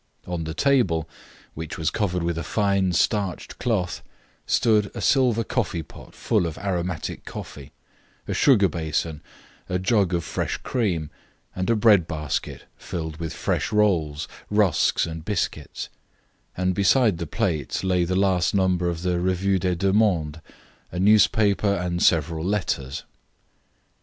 On the table, which was covered with a fine, starched cloth, stood a silver coffeepot full of aromatic coffee, a sugar basin, a jug of fresh cream, and a bread basket filled with fresh rolls, rusks, and biscuits; and beside the plate lay the last number of the Revue des Deux Mondes, a newspaper, and several letters.